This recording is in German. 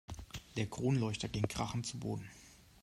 Der Kronleuchter ging krachend zu Boden.